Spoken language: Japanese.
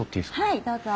はいどうぞ。